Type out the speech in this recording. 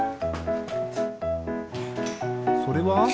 それは？